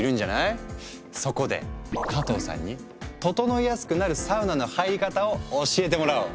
そこで加藤さんにととのいやすくなるサウナの入り方を教えてもらおう。